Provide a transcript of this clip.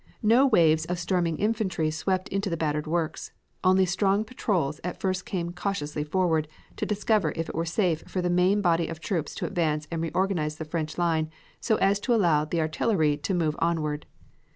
No waves of storming infantry swept into the battered works. Only strong patrols at first came cautiously forward, to discover if it were safe for the main body of troops to advance and reorganize the French line so as to allow the artillery to move onward.